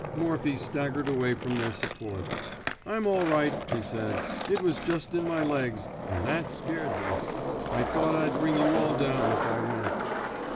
'' Morphy staggered away from their sup port. I'm all right," he said. It was just in my legs — an' that scared me — I thought I'd bring you all down if I went.